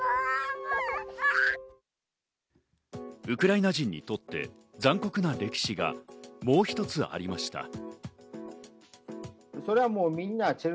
ウクライナ人にとって残酷な歴史は、もう一つありました。